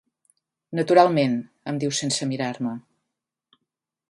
Naturalment —em diu sense mirar-me—.